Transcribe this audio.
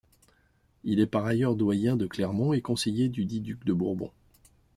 Il est par ailleurs doyen de Clermont et conseiller dudit duc de Bourbon.